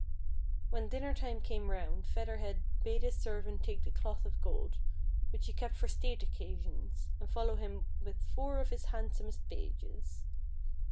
When dinner time came round Feather Head bade his servant take the cloth of gold which he kept for state occasions, and follow him with four of his hand somest pages.